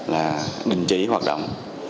là đình chế hoạt động